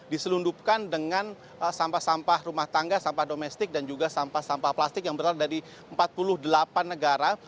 diselundupkan dengan sampah sampah rumah tangga sampah domestik dan juga sampah sampah plastik yang berada di empat puluh delapan negara